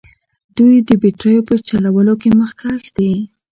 دوی د بیټریو په جوړولو کې مخکښ دي.